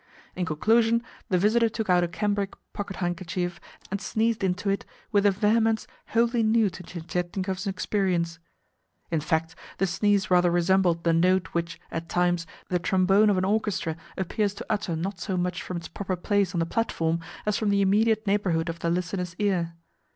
In conclusion, the visitor took out a cambric pocket handkerchief, and sneezed into it with a vehemence wholly new to Tientietnikov's experience. In fact, the sneeze rather resembled the note which, at times, the trombone of an orchestra appears to utter not so much from its proper place on the platform as from the immediate neighbourhood of the listener's ear.